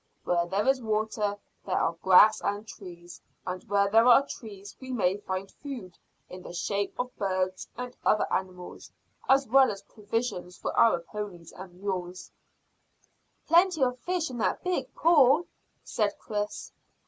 Where there is water there are grass and trees, and where there are these we may find food in the shape of birds and other animals, as well as provision for our ponies and mules." "Plenty of fish in that big pool," said Chris.